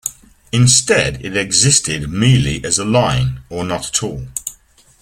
Instead it existed merely as a line, or not at all.